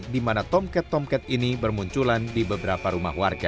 di mana tomket tomket ini bermunculan di beberapa rumah warga